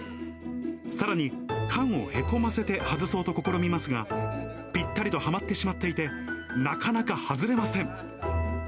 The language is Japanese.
さらに、缶をへこませて外そうと試みますが、ぴったりとはまってしまっていて、なかなか外れません。